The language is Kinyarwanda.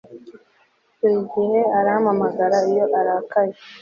Buri gihe arampamagara iyo arakaye